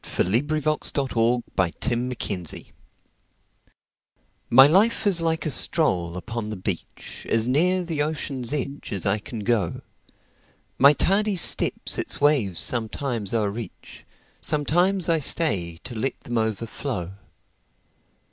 By Henry DavidThoreau 301 The Fisher's Boy MY life is like a stroll upon the beach, As near the ocean's edge as I can go; My tardy steps its waves sometimes o'erreach, Sometimes I stay to let them overflow.